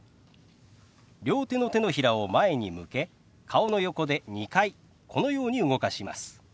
両手の手のひらを前に向け顔の横で２回このように動かします。